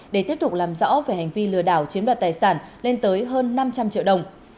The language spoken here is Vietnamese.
để tiếp tục làm rõ về hành vi lừa đảo chiếm đoạt tài sản lên tới hơn năm trăm linh triệu đồng